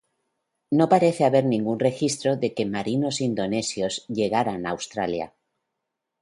No parece haber ningún registro de que marinos indonesios llegaran a Australia.